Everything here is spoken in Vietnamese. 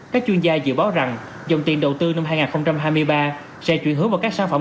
các chuyên gia dự báo rằng dòng tiền đầu tư năm hai nghìn hai mươi ba sẽ chuyển hướng vào các sản phẩm